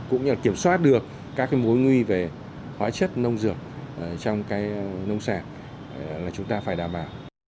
cũng như kiểm soát được các mối nguy về hóa chất nông dược trong nông sản là chúng ta phải đảm bảo